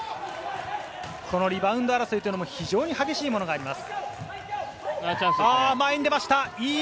このリバウンド争いというのも非常に激しいものがあります。